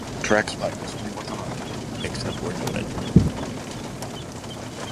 All tracks by Kazumi Watanabe except where noted.